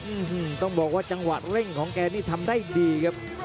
อืมต้องบอกว่าจังหวะเร่งของแกนี่ทำได้ดีครับ